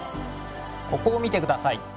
ここを見てください。